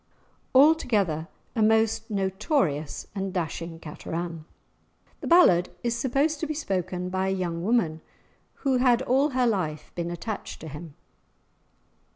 Altogether a most notorious and dashing cateran. The ballad is supposed to be spoken by a young woman who had all her life been attached to him.